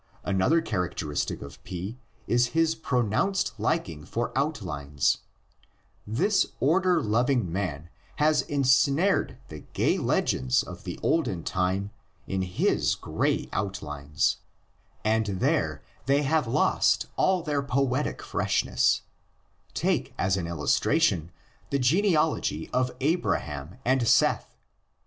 Another characteristic of P is his pronounced liking for outlines; this order lov ing man has ensnared the gay legends of the olden 148 THE LEGENDS OF GENESIS. time in his gray outlines, and there they have lost all their poetic freshness: take as an illustration the genealogy of Adam and Seth.